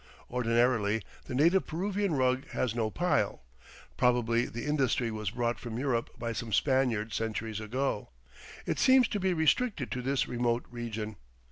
Ordinarily the native Peruvian rug has no pile. Probably the industry was brought from Europe by some Spaniard centuries ago. It seems to be restricted to this remote region.